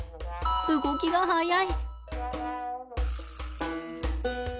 動きが速い。